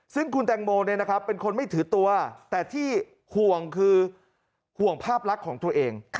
ซึ่งคุณแตงโมเป็นคนไม่ถือตัวแต่ที่ห่วงคือห่วงภาพลักษณ์ของตัวเอง